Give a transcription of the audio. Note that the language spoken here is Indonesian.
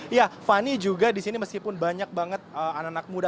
ya fani juga di sini meskipun banyak banget anak anak muda